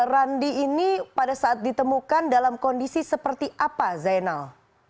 randi ini pada saat ditemukan dalam kondisi seperti apa zainal